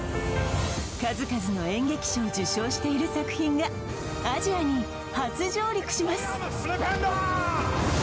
数々の演劇賞を受賞している作品がアジアに初上陸します